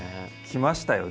きましたよ